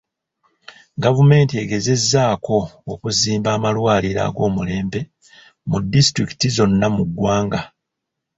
Gavumenti egezezzaako okuzimba amalwaliro ag'omulembe mu disitulikiti zonna mu ggwanga.